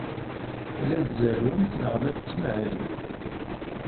La tzerrwemt neɣ la tettmahalemt?